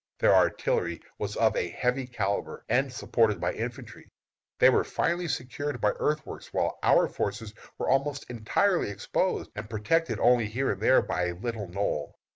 Their artillery was of a heavy calibre, and supported by infantry. They were finely screened by earthworks, while our forces were almost entirely exposed, and protected only here and there by a little knoll.